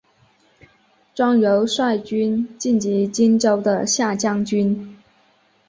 庄尤率军进击荆州的下江军。